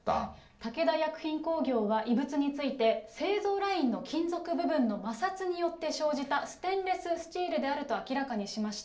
武田薬品工業は異物について、製造ラインの金属部分の摩擦によって生じたステンレススチールであると明らかにしました。